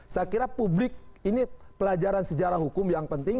saya kira publik ini pelajaran sejarah hukum yang penting